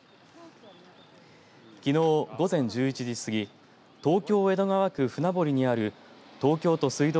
きのう午前１１時過ぎ東京、江戸川区船堀にある東京都水道